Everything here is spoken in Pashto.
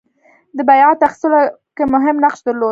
په بیعت اخیستلو کې مهم نقش درلود.